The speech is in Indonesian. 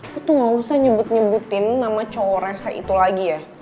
aku tuh gak usah nyebut nyebutin nama cowok rese itu lagi ya